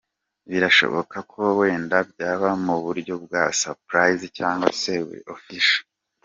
Birashoboka ko wenda byaba mu buryo bwa surprise cyangwa se buri official.